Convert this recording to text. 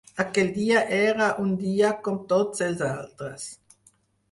Aquell dia era un dia com tots els altres.